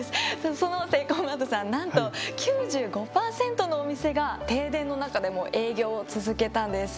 そのセイコーマートさんなんと９５％のお店が停電の中でも営業を続けたんです。